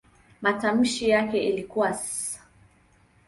Matamshi yake ilikuwa "s".